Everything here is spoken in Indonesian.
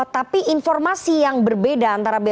tapi informasi yang berbeda antara b